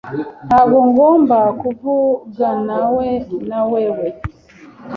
Ntabwo ngomba kuvuganawe nawewe .